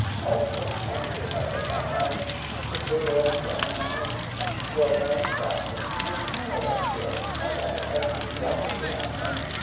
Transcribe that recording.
All six marched together that way; the three lords going a head, Lord Mohun's captain, and Colonel Westbury, and Harry Esmond, walking behind them.